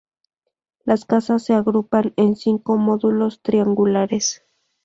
Las casas se agrupan en cinco módulos triangulares.